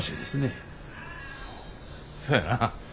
そやな。